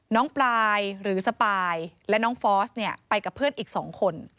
ปลายหรือสปายและน้องฟอสเนี่ยไปกับเพื่อนอีก๒คน